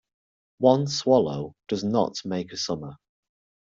One swallow does not make a summer.